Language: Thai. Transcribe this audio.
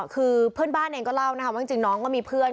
คือเพื่อนบ้านเองก็เล่านะคะว่าจริงน้องก็มีเพื่อน